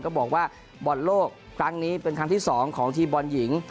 บอกว่าบอลโลกครั้งนี้เป็นครั้งที่๒ของทีมบอลหญิง